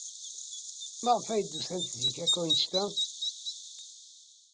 Maɣef ayb d-usant zik akk anect-a?